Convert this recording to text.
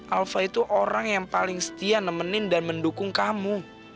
alfa itu orang yang paling setia nemenin dan mendukung kamu